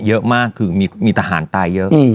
เยอะมากคือมีทหารตายเยอะ